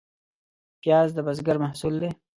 پیاز د بزګر محصول دی